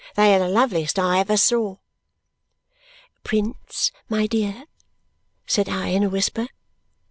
"They are the loveliest I ever saw." "Prince, my dear?" said I in a whisper.